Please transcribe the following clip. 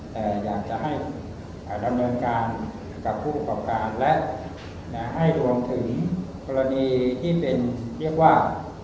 แต่อยากจะให้ดำเนินการกับผู้ประกอบการและให้รวมถึงกรณีที่เป็นเรียกว่า